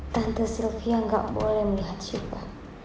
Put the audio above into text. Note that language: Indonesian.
tante sylvia enggak boleh melihat syifa